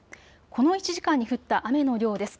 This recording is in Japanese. この１時間に降った雨の量です。